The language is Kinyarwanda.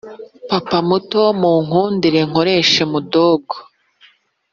papa muto munkundire nkoreshe (mudogo).